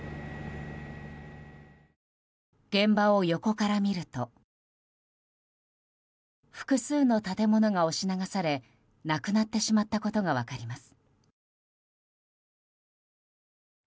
現場を横から見ると複数の建物が押し流されなくなってしまったことが分かります。